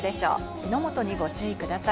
火の元にご注意ください。